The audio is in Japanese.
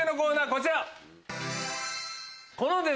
こちら！